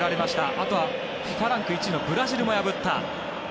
あとはＦＩＦＡランク１位のブラジルも破った。